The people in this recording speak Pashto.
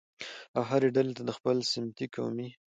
او هرې ډلې د خپل سمتي، قومي